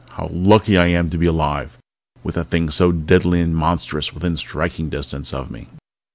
How lucky I am to be alive, with a thing so deadly and monstrous within striking distance of me!